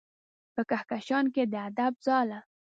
په کهکشان کې د ادب ځاله